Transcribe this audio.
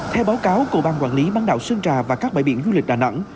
theo báo cáo của ban quản lý bán đảo sơn trà và các bãi biển du lịch đà nẵng